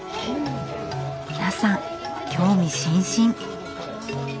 皆さん興味津々！